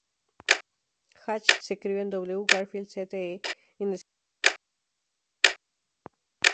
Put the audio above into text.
Hatch se crio en W. Garfield St, en el centro de Baton Rouge.